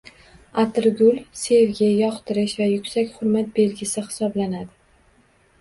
Atirgul – sevgi, yoqtirish va «yuksak hurmat» belgisi hisoblanadi.